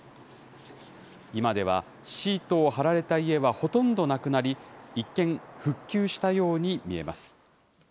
今ではシートを張られた家はほとんどなくなり、一見、復旧したように見えます。